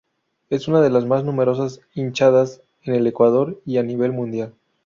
Es una de las más numerosas hinchadas en el Ecuador y a nivel mundial.